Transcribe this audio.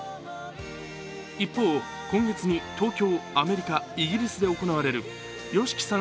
一方、今月に東京、アメリカ、イギリスで行われるＹＯＳＨＩＫＩさん